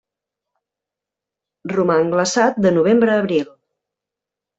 Roman glaçat de novembre a abril.